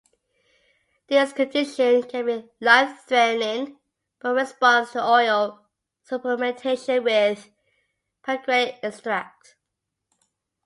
This condition can be life-threatening, but responds to oral supplementation with pancreatic extract.